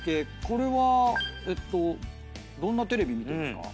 これはどんなテレビ見てるんですか？